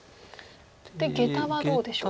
ゲタはどうでしょう？